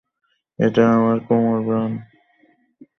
এটা আমার কোমর ব্যান্ড প্লিজ, চুপ থাক।